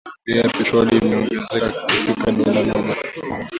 Bei ya petroli imeongezeka kufikia dola moja